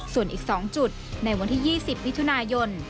ส่วนอีก๒จุดในวันที่๒๐มิถุนายน